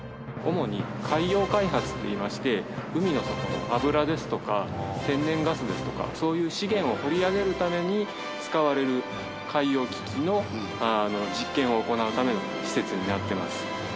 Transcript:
海の底の油ですとか天然ガスですとかそういう資源を掘り上げるために使われる海洋機器の実験を行うための施設になっています。